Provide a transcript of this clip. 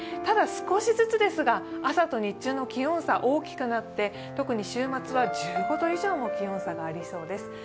ただ、少しずつですが朝と日中の気温差、大きくなって特に週末は１５度以上も気温差がありそうです。